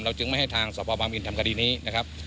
จึงไม่ให้ทางสพบางมินทำคดีนี้นะครับ